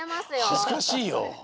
はずかしいよ。